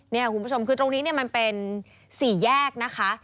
นี่คุณผู้ชมคือตรงนี้มันเป็นสี่แยกนะคะ